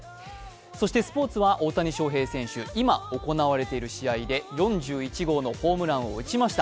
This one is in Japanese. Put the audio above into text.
そしてスポーツは大谷翔平選手、今行われている試合で４１号のホームランを打ちました。